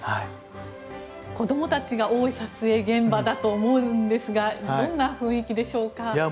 子供たちが多い撮影現場だと思うんですがどんな雰囲気でしょうか。